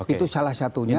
itu salah satunya